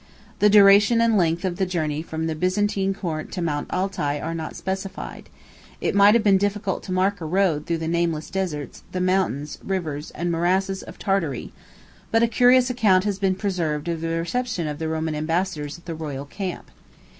The duration and length of the journey from the Byzantine court to Mount Altai are not specified: it might have been difficult to mark a road through the nameless deserts, the mountains, rivers, and morasses of Tartary; but a curious account has been preserved of the reception of the Roman ambassadors at the royal camp.